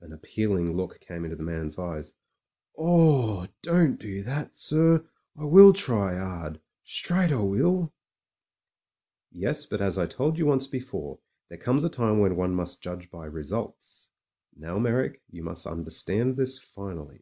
An appealing look came into the man's eyes. "Oh ! don't do that, sir. I will try 'ard — ^straight I will." "Yes, but as I told you once before, there comes a time when one must judge by results. Now, Meyrick, you must understand this finally.